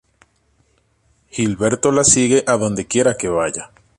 Gilberto la sigue a donde quiera que vaya.